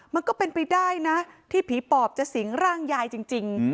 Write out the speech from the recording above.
มันก็เป็นไปได้นะที่ผีปอบจะสิงร่างยายจริง